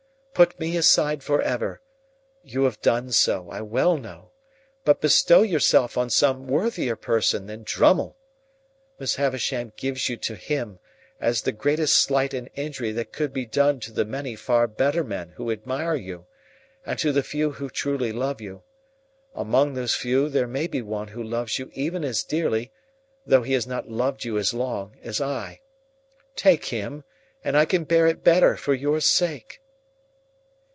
Put me aside for ever,—you have done so, I well know,—but bestow yourself on some worthier person than Drummle. Miss Havisham gives you to him, as the greatest slight and injury that could be done to the many far better men who admire you, and to the few who truly love you. Among those few there may be one who loves you even as dearly, though he has not loved you as long, as I. Take him, and I can bear it better, for your sake!"